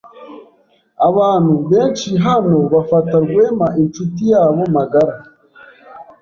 Abantu benshi hano bafata Rwema inshuti yabo magara.